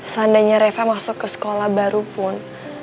seandainya reva masuk ke sekolah baru pun